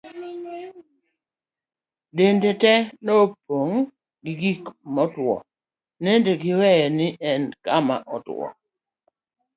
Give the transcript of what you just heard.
dende te nopong' gi gik motuwo nediweyo ni en kama otwo